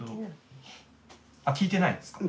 あっ聞いてないですか？